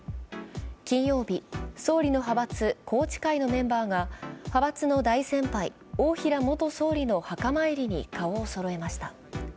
金曜日、総理の派閥・宏池会のメンバーが派閥の大先輩、大平元総理の墓参りに顔をそろえました。